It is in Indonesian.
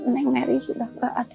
neng mary sudah tidak ada